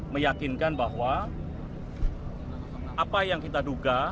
meyakinkan bahwa apa yang kita duga